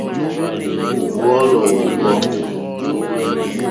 Wɔ̀ɔ́lɔ̀ wɔ̀kɔ́.